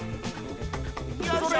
よいしょ！